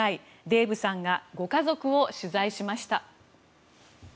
デーブさんがご家族を取材しました。